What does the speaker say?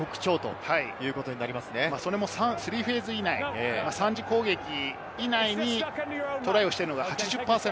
それも３フェーズ以内、３次攻撃以内にトライをしているのが８０％。